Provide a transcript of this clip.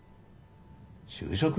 就職？